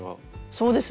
そうですね。